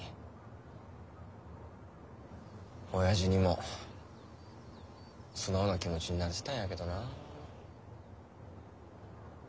おやじにも素直な気持ちになってたんやけどなあ。